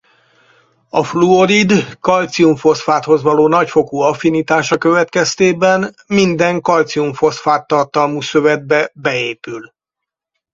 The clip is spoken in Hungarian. A fluorid kalcium-foszfáthoz való nagyfokú affinitása következtében minden kalcium-foszfát tartalmú szövetbe beépül.